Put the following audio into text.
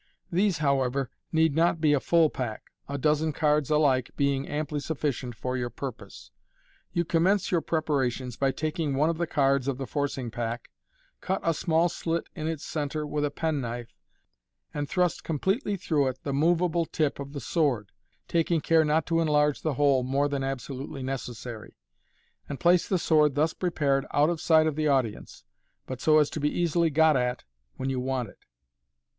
These, however, need not be a full pack, a dozen cards alike being amply sufficient for your purpose. You commence your preparations by taking one of the cards of the forcing pack, cut a small slit in its centre with a penknife, and thrust completely through it the moveable tip of the sword (taking care not to enlarge the hole more than absolutely necessary), and place the sword thus prepared out of sight of the audience, but so as to be easily got at when you want it.